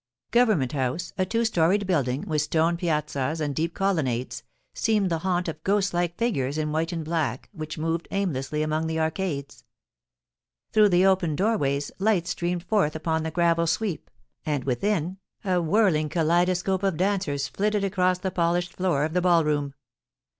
Government House, a two storied building, with stone piazzas and deep colonnades, seemed the haunt of ghost like figures in white and black, which moved aimlessly among the arcades. Through the open doorways light streamed forth upon the gravel sweep, and within, a whirling kaleido scope of dancers flitted across the polished floor of the FASCINATION. 235 ball room.